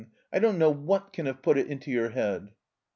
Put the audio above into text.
I don*t know what can have put it into your head.